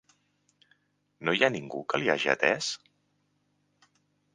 No hi ha ningú que li hagi atès?